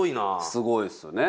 すごいですよね